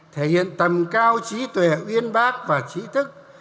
thể hiện tầm cao trí tuệ uyên bác và trí thức